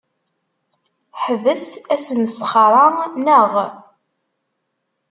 Ḥbes asmesxer-a, naɣ?